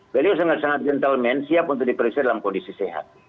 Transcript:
beliau sangat sangat gentleman siap untuk diperiksa dalam kondisi sehat